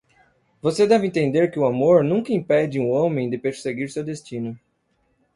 Você deve entender que o amor nunca impede um homem de perseguir seu destino.